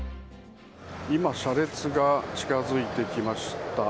今、車列が近づいてきました。